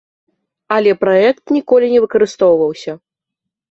Але праект ніколі не выкарыстоўваўся.